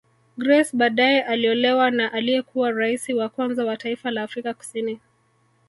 Grace badae aliolewa na aliyekuwa raisi wa kwanza wa taifa la Afrika Kusini